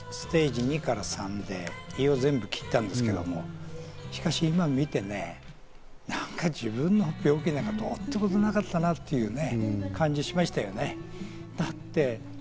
私、２２年前にステージ２から３で胃を全部切ったんですけど、今、しかし見てね、なんか自分の病気なんてどうってことなかったんだなっていう感じがしましたよね。